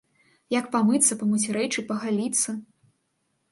Як памыцца, памыць рэчы, пагаліцца?